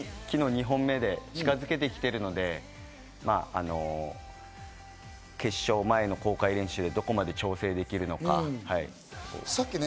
昨日２本目で近づけてきているので決勝前の公開練習でどこまで調整できるのか？